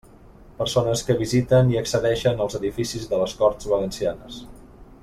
Persones que visiten i accedeixen als edificis de les Corts Valencianes.